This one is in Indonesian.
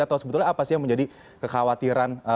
atau sebetulnya apa sih yang menjadi kekhawatiran